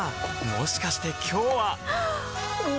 もしかして今日ははっ！